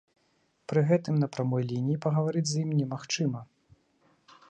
Пры гэтым на прамой лініі пагаварыць з ім немагчыма.